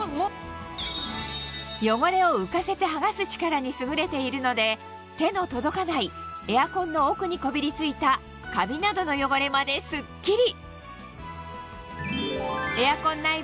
汚れを浮かせてはがす力に優れているので手の届かないエアコンの奥にこびり付いたカビなどの汚れまですっきり！